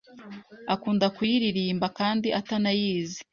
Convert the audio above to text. akunda kuyirirmba kandi atanayizi.